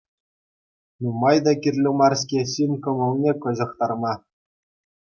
Нумай та кирлӗ мар-ҫке ҫын кӑмӑлне каҫӑхтарма!